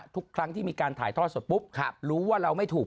ทุกครั้งที่มีการถ่ายทอดสดปุ๊บรู้ว่าเราไม่ถูก